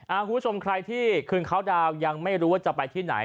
คุณผู้ชมใครที่คืนเขาดาวน์ยังไม่รู้ว่าจะไปที่ไหน